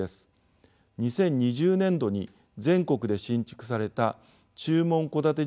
２０２０年度に全国で新築された注文戸建て